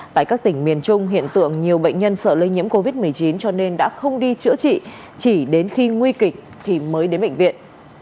tại các tỉnh miền trung hiện tượng nhiều bệnh nhân sợ lây nhiễm covid một mươi chín cho nên đã không đi chữa trị chỉ đến khi nguy kịch thì mới đến bệnh viện